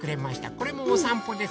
これもおさんぽです。